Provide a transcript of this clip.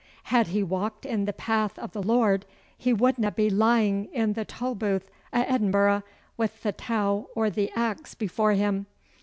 Had he walked in the path o' the Lord he wudna be lying in the Tolbooth o' Edinburgh wi' the tow or the axe before him.